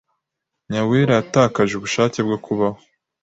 Nyawera yatakaje ubushake bwo kubaho.